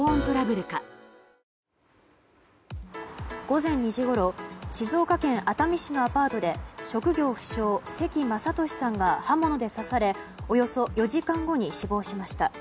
午前２時ごろ静岡県熱海市のアパートで職業不詳、関維俊さんが刃物で刺されおよそ４時間後に死亡しました。